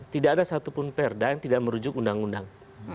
tidak ada satupun perda yang tidak merujuk undang undang